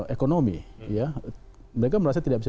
ekonomi ya mereka merasa tidak bisa